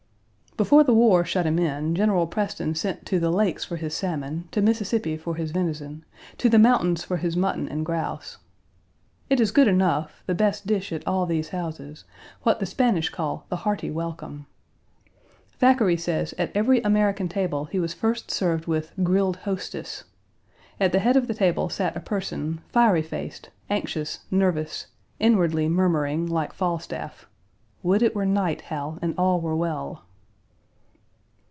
Before the war shut him in, General Preston sent to the lakes for his salmon, to Mississippi for his venison, to the mountains for his mutton and grouse. It is good enough, the best dish at all these houses, what the Spanish call "the hearty welcome." Thackeray says at every American table he was first served with "grilled hostess." At the head of the table sat a person, fiery faced, anxious, nervous, Page 169 inwardly murmuring, like Falstaff, "Would it were night, Hal, and all were well."